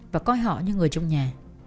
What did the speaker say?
và coi họ như người trong nhà